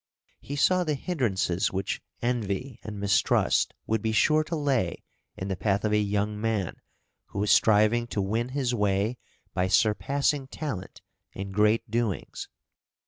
He saw the hindrances which envy and mistrust would be sure to lay in the path of a young man who was striving to win his way by surpassing talent and great doings.